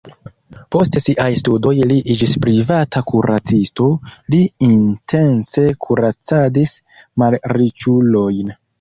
Post siaj studoj li iĝis privata kuracisto, li intence kuracadis malriĉulojn.